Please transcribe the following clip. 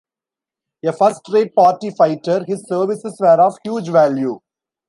A first-rate party fighter, his services were of huge value.